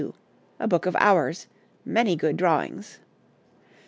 A Book of Hours. Many good drawings.